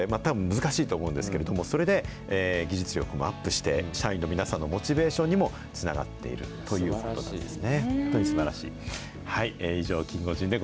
確かに、そんな蛇口を作ることで、たぶん、難しいと思うんですけれども、それで、技術力もアップして、社員の皆さんのモチベーションにつながっているということなんですね。